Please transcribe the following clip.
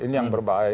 ini yang berbahaya